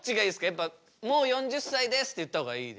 やっぱもう４０歳ですって言った方がいいですか？